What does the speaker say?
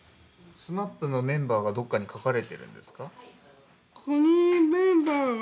ＳＭＡＰのメンバーがどっかに描かれているんですか？